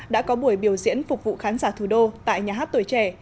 đã có buổi biểu diễn phục vụ khán giả thủ đô tại nhà hát tuổi trẻ